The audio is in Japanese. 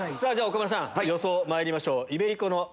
岡村さん予想まいりましょう。